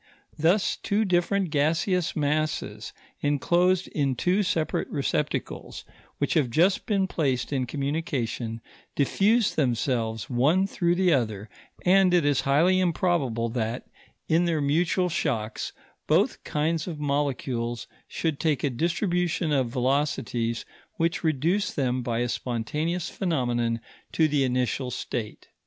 Thus two different gaseous masses, enclosed in two separate receptacles which have just been placed in communication, diffuse themselves one through the other, and it is highly improbable that, in their mutual shocks, both kinds of molecules should take a distribution of velocities which reduce them by a spontaneous phenomenon to the initial state.